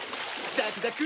ザクザク！